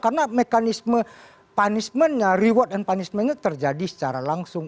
karena mekanisme punishment reward and punishment itu terjadi secara langsung